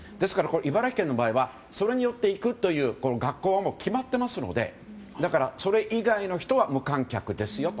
茨城県の場合はそれによって行くという学校は決まってますのでそれ以外の人は無観客ですよと。